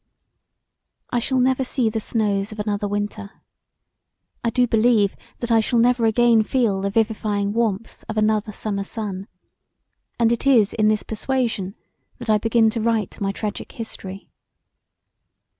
I shall never see the snows of another winter I do believe that I shall never again feel the vivifying warmth of another summer sun; and it is in this persuasion that I begin to write my tragic history.